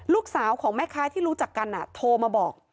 ลูกสาวของแม่ค้าที่รู้จักกันโทรมาบอก